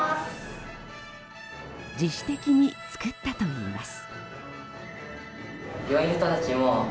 自主的に作ったといいます。